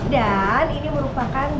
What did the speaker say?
dan ini merupakan